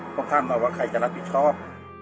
พวกท่านบอกว่าใครจะรับผิดชอบ